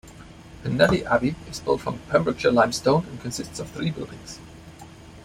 Penally Abbey is built from Pembrokeshire limestone and consists of three buildings.